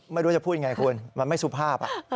ไม่รู้จะพูดยังไงคุณมันไม่สุภาพ